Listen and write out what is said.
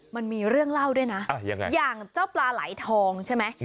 มันมีเรื่องเล่าด้วยน่ะอ่ายังไงอย่างเจ้าปลาไหลทองใช่ไหมอืม